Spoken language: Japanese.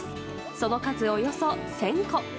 その数およそ１０００個。